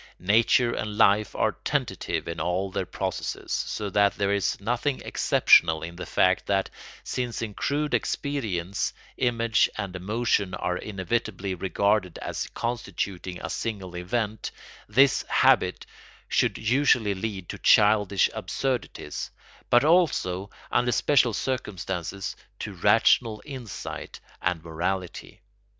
Nature and life are tentative in all their processes, so that there is nothing exceptional in the fact that, since in crude experience image and emotion are inevitably regarded as constituting a single event, this habit should usually lead to childish absurdities, but also, under special circumstances, to rational insight and morality.